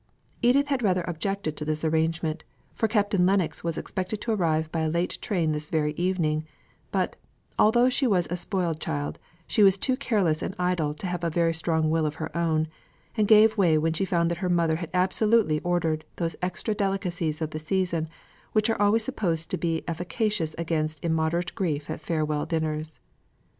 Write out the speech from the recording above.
Edith had rather objected to this arrangement, for Captain Lennox was expected to arrive by a late train this very evening; but, although she was a spoiled child, she was too careless and idle to have a very strong will of her own, and gave way when she found that her mother had absolutely ordered those extra delicacies of the season which are always supposed to be efficacious against immoderate grief at farewell dinners.